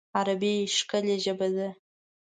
عربي ښکلی ژبه ده